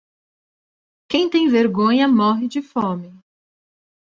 Quem tem vergonha morre de fome.